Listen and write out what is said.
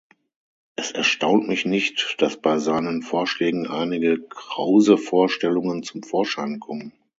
Es erstaunt mich nicht, dass bei seinen Vorschlägen einige krause Vorstellungen zum Vorschein kommen.